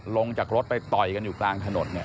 ลงจากรถไปต่อยกันอยู่กลางถนนเนี่ย